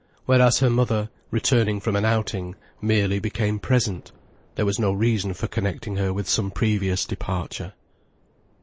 Whereas her mother, returning from an outing, merely became present, there was no reason for connecting her with some previous departure.